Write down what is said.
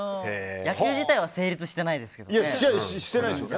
野球自体は成立していないですけどね。